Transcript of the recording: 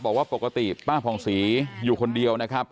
บอกว่าปกติป้าผ่องศรีอยู่คนเดียวนะครับ